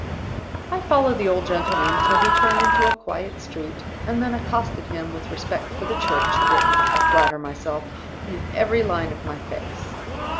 "I followed the old gentleman till he turned into a quiet street, and then accosted him, with respect for the Church written (I flatter myself) in every line of my face.